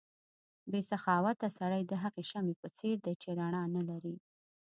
بې سخاوته سړی د هغې شمعې په څېر دی چې رڼا نه لري.